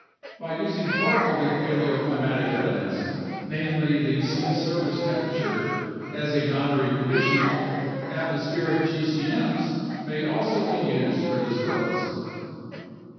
By using part of the paleoclimatic evidence (namely, the sea surface temperature) as a boundary condition, atmospheric gcm's may also be used for this purpose.